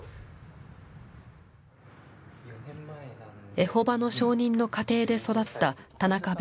エホバの証人の家庭で育った田中弁護士。